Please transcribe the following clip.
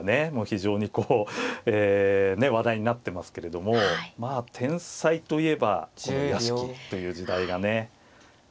非常にこうえ話題になってますけれどもまあ天才といえばこの屋敷という時代がねありまして。